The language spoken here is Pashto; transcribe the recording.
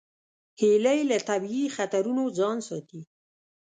هیلۍ له طبیعي خطرونو ځان ساتي